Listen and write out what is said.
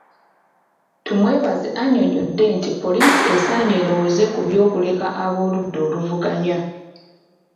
Tumwebaze annyonnyodde nti poliisi esaanye erowooze ku ky'okuleka ab'oludda oluvuganya.